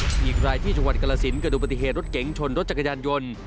อีกรายที่จังหวัดกรสินเกิดดูปฏิเหตุรถเก๋งชนรถจักรยานยนต์